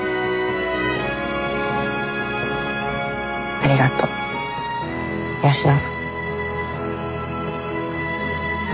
ありがとう吉信。